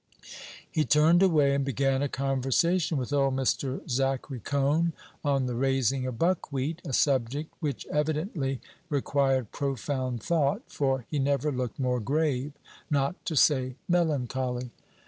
He turned away, and began a conversation with old Mr. Zachary Coan on the raising of buckwheat a subject which evidently required profound thought, for he never looked more grave, not to say melancholy.